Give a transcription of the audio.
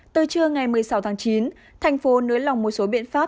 từ trưa ngày một mươi sáu tháng chín thành phố nới lỏng một số biện pháp